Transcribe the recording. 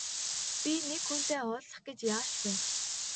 Би нэг хүнтэй уулзах гэж яарч байна.